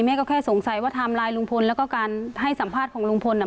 แม่ก็แค่สงสัยว่าไทม์ไลน์ลุงพลแล้วก็การให้สัมภาษณ์ของลุงพลน่ะ